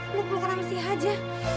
lu keluar sama si haja